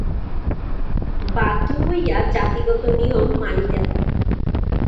বাধ্য হইয়া জাতিগত নিয়ম মানিতে হয়।